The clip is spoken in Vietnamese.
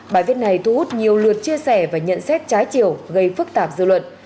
bài viết này thu hút nhiều lượt chia sẻ và nhận xét trái chiều gây phức tạp dư luận